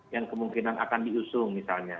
yang kemungkinan akan diusung misalnya